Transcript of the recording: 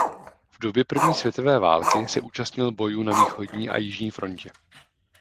V době první světové války se účastnil bojů na východní a jižní frontě.